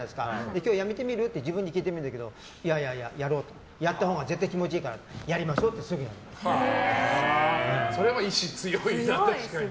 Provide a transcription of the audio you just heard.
今日やめてみる？って自分に聞いてみるけどいやいや、やろうやったほうが絶対気持ちいいからそれも意思強いな、確かに。